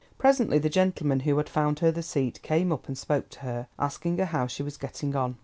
Presently the gentleman who had found her the seat came up and spoke to her, asking her how she was getting on.